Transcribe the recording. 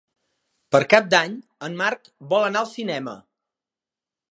Per Cap d'Any en Marc vol anar al cinema.